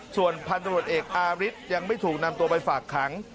ส่วนพันธุรกิจเอกอาริสยังไม่ถูกนำตัวไปฝากขัง